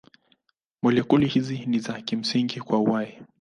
Molekuli hizi ni za kimsingi kwa uhai.